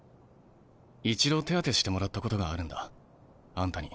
一度手当てしてもらったことがあるんだあんたに。